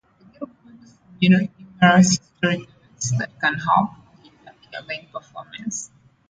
The game includes numerous historical events that can help or hinder airline performance.